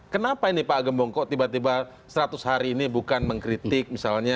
kenapa ini pak gembongko tiba tiba seratus hari ini bukan mengkritik misalnya